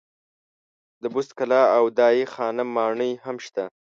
د بست کلا او دای خانم ماڼۍ هم شته.